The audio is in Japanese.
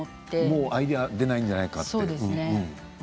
もうアイデアが出ないんじゃないかと。